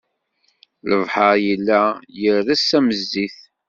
Lebḥer yella ires am zzit